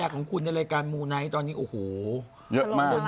ตุ๊นเริ่มหรือยัง